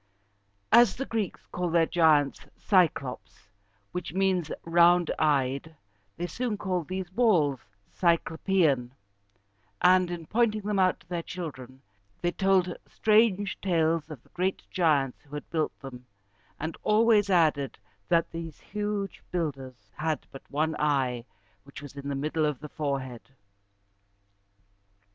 As the Greeks called their giants Cy´clops, which means "round eyed," they soon called these walls Cy clo pe´an; and, in pointing them out to their children, they told strange tales of the great giants who had built them, and always added that these huge builders had but one eye, which was in the middle of the forehead.